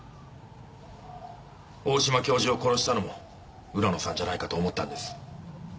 大島教授を殺したのも浦野さんじゃないかと思ったんです。